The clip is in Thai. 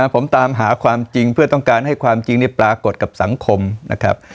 ผมตามหาความจริงเพื่อต้องการให้ความจริงปรากฏกับสังคมนะครับ